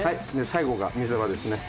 最後が見せ場ですね。